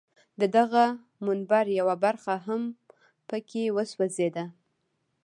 د دغه منبر یوه برخه هم په کې وسوځېده.